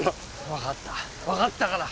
わかったわかったから。